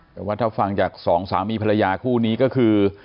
แต่ว่าถ้าฟังจากสองสามีภรรยาคู่นี้ก็คือ